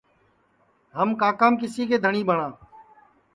ہم کاکام کسی کے دھٹؔی ٻٹؔا